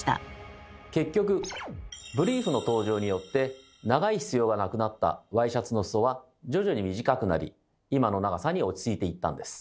結局ブリーフの登場によって長い必要がなくなったワイシャツの裾は徐々に短くなり今の長さに落ち着いていったんです。